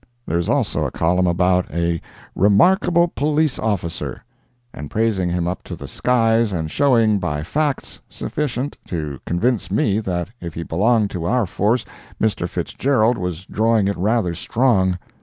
There is also a column about a "remarkable police officer," and praising him up to the skies, and showing, by facts, sufficient to convince me that if he belonged to our force, Mr. Fitzgerald was drawing it rather strong.